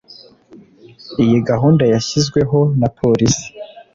Iyi gahunda yashyizweho na Polisi